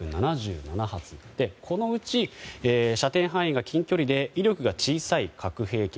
このうち射程範囲が近距離で威力が小さい核兵器